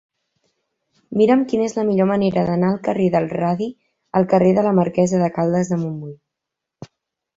Mira'm quina és la millor manera d'anar del carrer del Radi al carrer de la Marquesa de Caldes de Montbui.